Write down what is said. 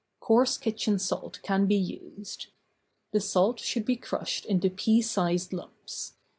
Coarse kitchen salt can be used. The salt should be crushed into pea sized lumps.